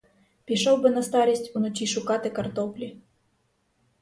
Пішов би на старість уночі шукати картоплі.